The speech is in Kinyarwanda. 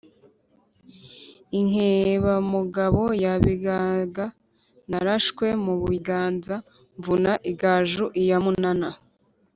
inkebamugabo ya bigaga, narashwe mu biganza mvuna igaju lya munana.